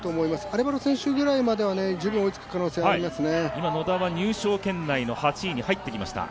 バレバロ選手くらいまでは十分、追いつく可能性ありますね。